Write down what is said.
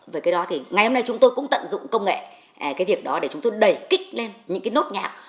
với cái đó thì ngày hôm nay chúng tôi cũng tận dụng công nghệ cái việc đó để chúng tôi đẩy kích lên những cái nốt nhạc